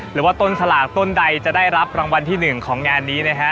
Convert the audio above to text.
หรือว่าต้นสลากต้นใดจะได้รับรางวัลที่๑ของงานนี้นะฮะ